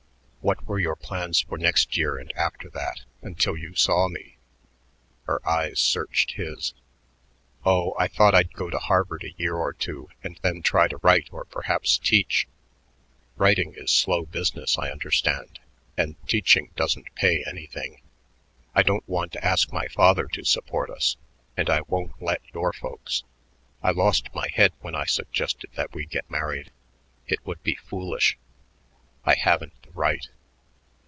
"What were your plans for next year and after that until you saw me?" Her eyes searched his. "Oh, I thought I'd go to Harvard a year or two and then try to write or perhaps teach. Writing is slow business, I understand, and teaching doesn't pay anything. I don't want to ask my father to support us, and I won't let your folks. I lost my head when I suggested that we get married. It would be foolish. I haven't the right."